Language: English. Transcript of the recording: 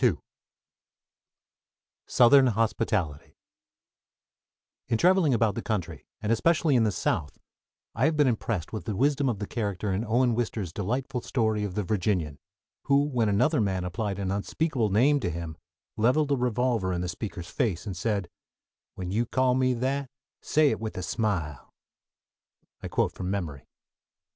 II SOUTHERN HOSPITALITY In traveling about the country, and especially in the South, I have been impressed with the wisdom of the character in Owen Wister's delightful story of "The Virginian," who when another man applied an unspeakable name to him leveled a revolver in the speaker's face, and said, "When you call me that, say it with a smile!" (I quote from memory.)